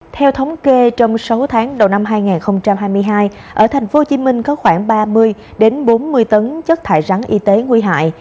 theo thống kê trong sáu tháng đầu năm hai nghìn hai mươi hai ở tp hcm có khoảng ba mươi bốn mươi tấn chất thải rắn y tế nguy hại